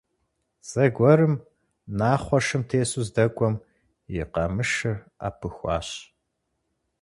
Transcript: Зэгуэрым, Нахъуэ шым тесу здэкӏуэм, и къамышыр ӏэпыхуащ.